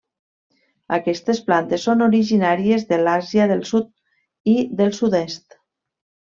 Aquestes plantes són originàries de l'Àsia del Sud i del Sud-est.